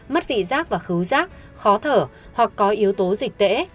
mất vị giác và khứu giác khó thở hoặc có yếu tố dịch tễ